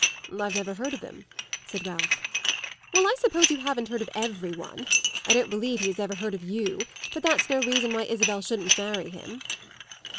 "I've never heard of him," said Ralph. "Well, I suppose you haven't heard of every one. I don't believe he has ever heard of you; but that's no reason why Isabel shouldn't marry him."